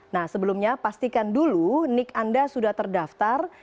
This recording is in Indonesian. nah sebelumnya pastikan dulu nik anda sudah terdaftar